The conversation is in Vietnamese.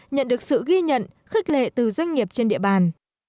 nhận được sự ghi nhận khích lệ từ doanh nghiệp trên địa bàn